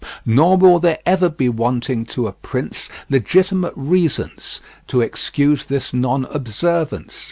Nor will there ever be wanting to a prince legitimate reasons to excuse this non observance.